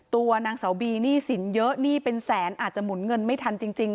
ตัวนางเสาบีหนี้สินเยอะหนี้เป็นแสนอาจจะหมุนเงินไม่ทันจริง